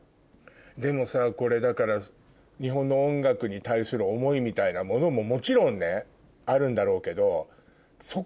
でもさこれだから日本の音楽に対する思いみたいなものももちろんねあるんだろうけど。